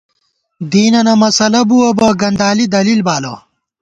دینَنہ مسَلہ بُوَہ بہ گندالی دلیل بالہ